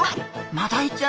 マダイちゃん